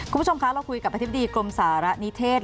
คุณผู้ชมคะเราคุยกับอธิบดีกรมสาระนิเทศ